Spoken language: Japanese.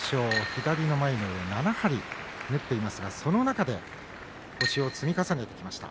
左の眉の上、７針縫っていますがその中で星を積み重ねてきました。